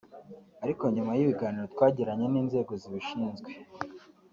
ariko nyuma y’ibiganiro twagiranye n’inzego zibishinzwe